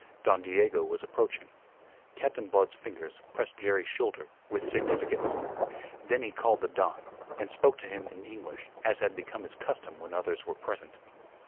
Don Diego was approaching. Captain Blood's fingers pressed Jerry's shoulder with significance. Then he called the Don, and spoke to him in English as had become his custom when others were present.